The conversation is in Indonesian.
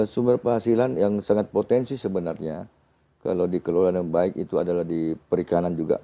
sumber penghasilan yang sangat potensi sebenarnya kalau dikelola dengan baik itu adalah di perikanan juga